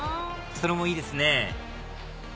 それもいいですね